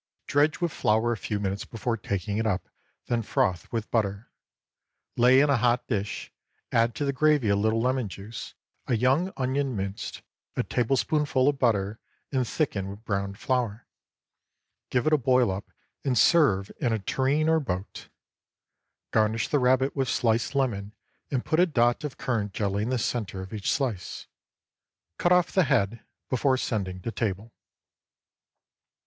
Dredge with flour a few minutes before taking it up, then froth with butter. Lay in a hot dish, add to the gravy a little lemon juice, a young onion minced, a tablespoonful of butter, and thicken with browned flour. Give it a boil up, and serve in a tureen or boat. Garnish the rabbit with sliced lemon, and put a dot of currant jelly in the centre of each slice. Cut off the head before sending to table.